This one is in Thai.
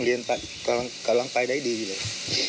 กำลังไปได้ดีเลย